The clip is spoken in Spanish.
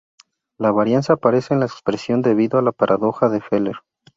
La varianza aparece en la expresión debido a la Paradoja de Feller.